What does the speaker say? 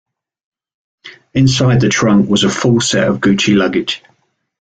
Inside the trunk was a full set of Gucci luggage.